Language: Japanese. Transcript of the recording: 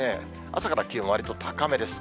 朝から気温、わりと高めです。